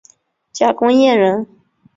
贾公彦人。